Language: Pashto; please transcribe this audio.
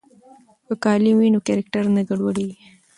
که کالي وي نو کرکټر نه ګډوډیږي.